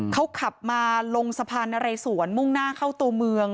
เขาขับมาลงสะพานนะเรสวนมุ่งหน้าเข้าตัวเมือง